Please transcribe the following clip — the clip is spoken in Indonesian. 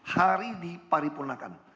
hari di paripurnakan